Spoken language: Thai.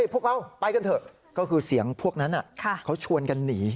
พวกเราไปกันเถอะก็คือเสียงพวกนั้นเขาชวนกันหนี